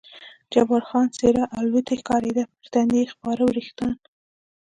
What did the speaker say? جبار خان څېره الوتی ښکارېده، پر تندي یې خپاره وریښتان.